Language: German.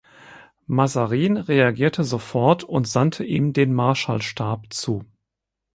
Mazarin reagierte sofort und sandte ihm den Marschallstab zu.